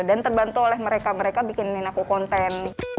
dan terbantu oleh mereka mereka bikinin aku konten